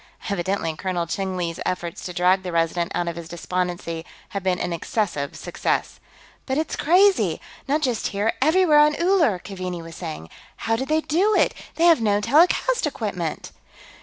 Evidently Colonel Cheng Li's efforts to drag the Resident out of his despondency had been an excessive success. "But it's crazy! Not just here; everywhere on Uller!" Keaveney was saying. "How did they do it? They have no telecast equipment."